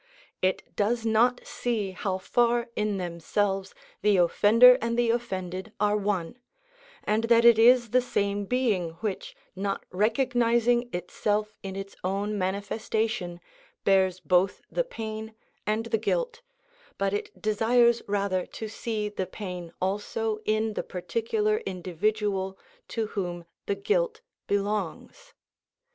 It does not see how far in themselves the offender and the offended are one, and that it is the same being which, not recognising itself in its own manifestation, bears both the pain and the guilt, but it desires rather to see the pain also in the particular individual to whom the guilt belongs.